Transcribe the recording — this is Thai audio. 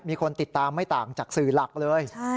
มีคนติดตามไม่ต่างจากสื่อหลักเลย